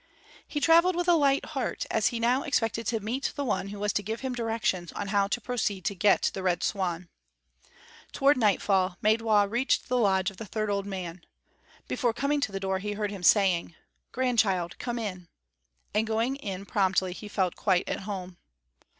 He traveled with a light heart, as he now expected to meet the one who was to give him directions how to proceed to get the Red Swan. Toward night fall Maidwa reached the lodge of the third old man. Before coming to the door he heard him saying: "Grandchild, come in." And going in promptly he felt quite at home.